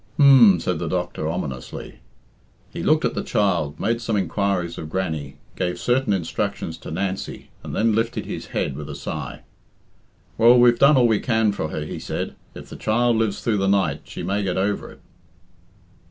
"H'm!" said the doctor ominously. He looked at the child, made some inquiries of Grannie, gave certain instructions to Nancy, and then lifted his head with a sigh. "Well, we've done all we can for her," he said. "If the child lives through the night she may get over it."